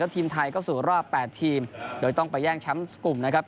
แล้วทีมไทยก็สู่รอบแปดทีมโดยต้องไปแย่งแชมป์กลุ่มนะครับ